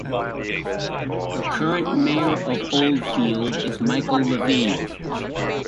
The current mayor of Old Field is Michael Levine.